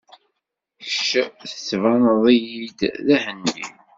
Kečč tettbaneḍ-iyi-d d Ahendi.